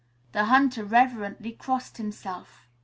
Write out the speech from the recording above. The hunter reverently crossed himself.